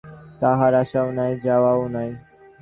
তাঁহার আসাও নাই, যাওয়াও নাই।